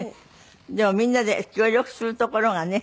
でもみんなで協力するところがね。